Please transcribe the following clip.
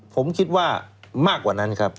ผมคิดว่ามากกว่านั้นครับ